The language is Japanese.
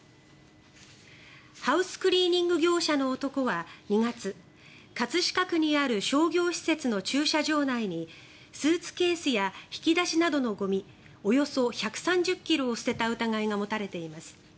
ハウスクリーニング業者の男は２月葛飾区にある商業施設の駐車場内にスーツケースや引き出しなどのゴミおよそ１３０ｋｇを捨てた疑いが持たれています。